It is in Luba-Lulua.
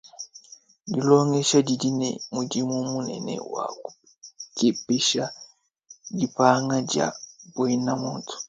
Dilongesha didi ne mudimu munene wa kukepesha dipanga dia buena muntu.